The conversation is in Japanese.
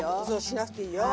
しなくていいよ。